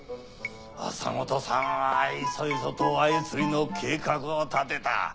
朝本さんはいそいそとアユ釣りの計画を立てた。